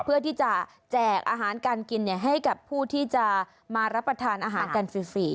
เพื่อที่จะแจกอาหารการกินให้กับผู้ที่จะมารับประทานอาหารกันฟรี